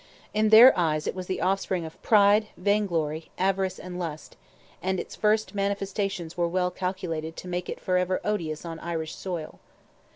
In their eyes it was the offspring of "pride, vain glory, avarice, and lust," and its first manifestations were well calculated to make it for ever odious on Irish soil.